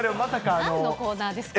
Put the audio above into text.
なんのコーナーですか。